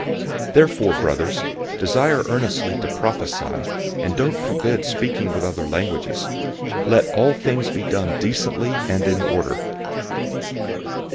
014:039 Therefore, brothers, desire earnestly to prophesy, and don't forbid speaking with other languages. 014:040 Let all things be done decently and in order.